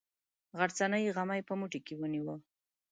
غرڅنۍ غمی په موټي کې ونیوه.